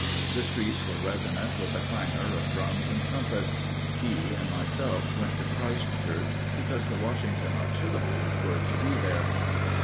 The streets were resonant with the clangor of drums and trumpets. E. and myself went to Christ Church because the Washington Artillery were to be there.